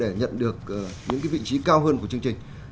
để nhận được những vị trí cao hơn của chương trình